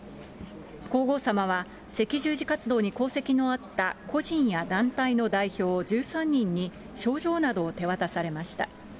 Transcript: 皇后さまは赤十字活動に功績のあった個人や団体の代表１３人に症状などを手渡されました。